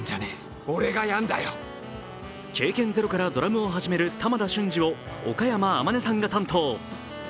経験ゼロからドラムを始める玉田俊二を岡山天音さんが担当。